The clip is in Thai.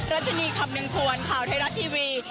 รัชนีครับหนึ่งทวนข่าวไทยรัฐทีวี